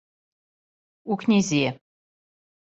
У књизи је.